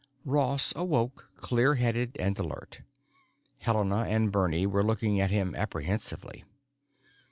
12 ROSS awoke, clearheaded and alert. Helena and Bernie were looking at him apprehensively.